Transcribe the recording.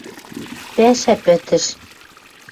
— Пӓшӓ пӹтӹш!..